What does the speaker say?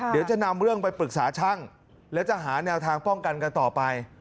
เดี๋ยวจะนำเรื่องไปปรึกษาช่างแล้วจะหาแนวทางป้องกันกันต่อไป